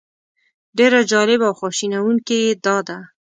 ډېره جالبه او خواشینونکې یې دا ده.